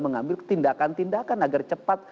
mengambil tindakan tindakan agar cepat